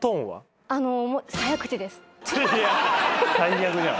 最悪じゃん。